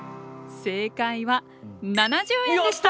正解は７０円でした！